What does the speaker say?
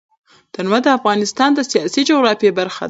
تنوع د افغانستان د سیاسي جغرافیه برخه ده.